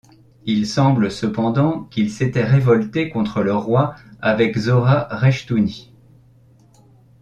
Il semble cependant qu'il s'était révolté contre le roi avec Zora Rechtouni.